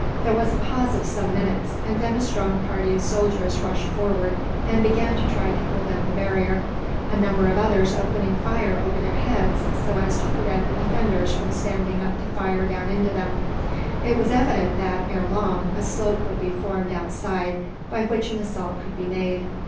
There was a pause of some minutes, and then a strong party of soldiers rushed forward, and began to try to pull down the barrier; a number of others opening fire over their heads, so as to prevent the defenders from standing up to fire down into them. It was evident that, ere long, a slope would be formed outside by which an assault could be made.